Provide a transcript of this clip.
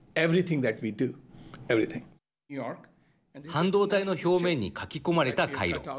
半導体の表面に書き込まれた回路。